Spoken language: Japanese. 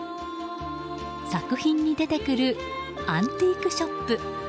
作品に出てくるアンティークショップ